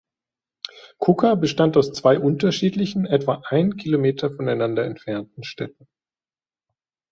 Kuka bestand aus zwei unterschiedlichen, etwa einen Kilometer voneinander entfernten Städten.